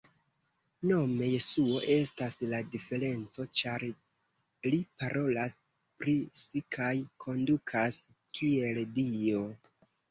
Nome Jesuo estas la diferenco ĉar li parolas pri si kaj kondutas kiel Dio!